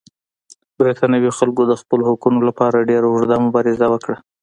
برېټانوي خلکو د خپلو حقونو لپاره ډېره اوږده مبارزه وکړه.